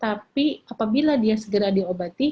tapi apabila dia segera diobati